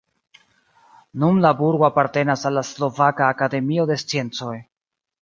Nun la burgo apartenas al la Slovaka Akademio de Sciencoj.